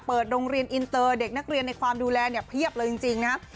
โรงเรียนอินเตอร์เด็กนักเรียนในความดูแลเนี่ยเพียบเลยจริงนะครับ